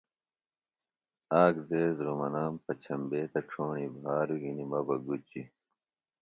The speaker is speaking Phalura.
آک دیس دُھرمنام پچھمبے تہ چھوݨی بھاروۡ گھنیۡ مہ بہ گُچیۡ